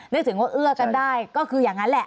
นึกถึงว่าเอื้อกันได้ก็คืออย่างนั้นแหละ